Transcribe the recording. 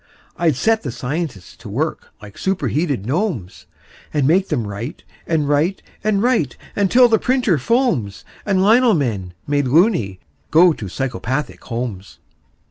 I'd set the scientists to work like superheated gnomes, And make them write and write and write until the printer foams And lino men, made "loony", go to psychopathic homes.